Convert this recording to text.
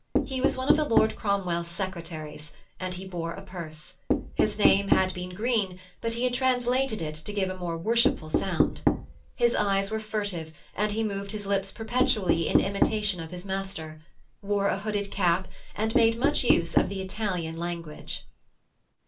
He was one of the Lord Cromwell's secretaries, and he bore a purse. His name had been Greene but he had translated it to give a more worshipful sound. His eyes were furtive and he moved his lips perpetually in imitation of his master; wore a hooded cap, and made much use of the Italian language.